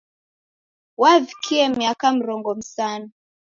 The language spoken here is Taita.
Wavikie miaka mrongo msanu.